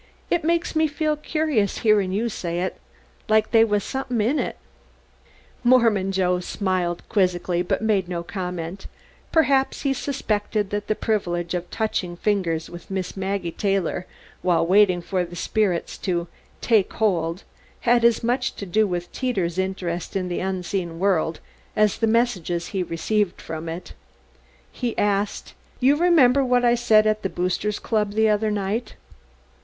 It makes me feel cur'ous, hearin' you say it like they was somethin' in it." Mormon Joe smiled quizzically but made no comment; perhaps he suspected that the privilege of touching fingers with Miss Maggie Taylor while waiting for the spirits to "take holt" had as much to do with Teeters' interest in the unseen world as the messages he received from it. He asked: "You remember what I said at the Boosters' Club the other night?"